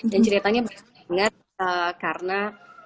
dan ceritanya karena